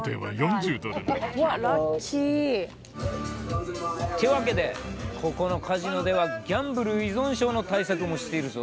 うわっラッキー。ってわけでここのカジノではギャンブル依存症の対策もしているぞ。